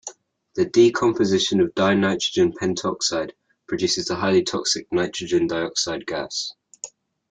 The decomposition of dinitrogen pentoxide produces the highly toxic nitrogen dioxide gas.